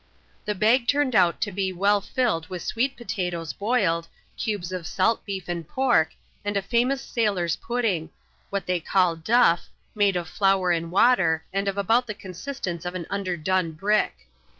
The bag turned out. to be well filled with sweet potatoes boiled, cubes of salt beef and pork, and a famous sailors' pn^ ding, what they call *' duff," made of flour and water, and of about the consistence of an underdone brick.